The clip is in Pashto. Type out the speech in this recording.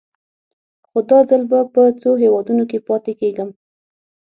خو دا ځل به په څو هېوادونو کې پاتې کېږم.